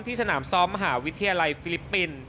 สนามซ้อมมหาวิทยาลัยฟิลิปปินส์